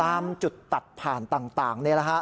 ตามจุดตัดผ่านต่างนี่แหละฮะ